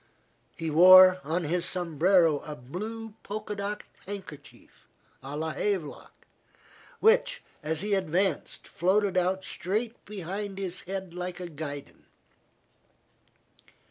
He wore on his sombrero a blue polka dot handkerchief, a la Havelock, which, as he advanced, floated out straight behind his head, like a guidon.